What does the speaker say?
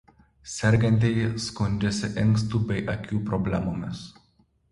Sergantieji skundžiasi inkstų bei akių problemomis.